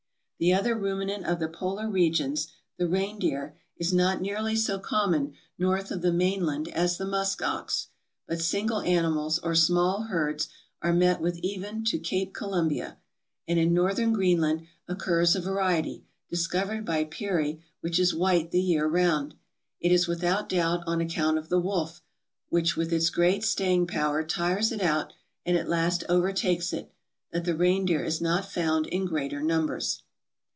The other ruminant of the polar regions, the reindeer, is not nearly so common north of the mainland as the musk ox, M ISC 'ELL A NEO US 489 but single animals, or small herds, are met with even to Cape Columbia; and in northern Greenland occurs a variety, dis covered by Peary, which is white the year round. It is with out doubt on account of the wolf, which with its great staying power tires it out and at last overtakes it, that the reindeer is not found in greater numbers.